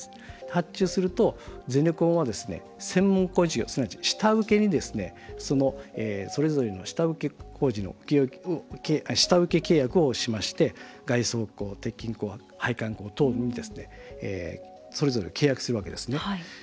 発注すると、ゼネコンは専門工事、すなわち下請けにそれぞれ下請契約をしまして外装工、鉄筋工配管工等にそれぞれ契約するわけですね。